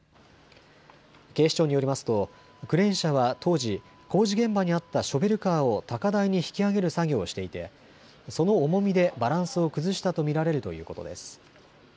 警視庁によりますとクレーン車は当時、工事現場にあったショベルカーを高台に引き上げる作業をしていてその重みでバランスを崩したと見られるということです。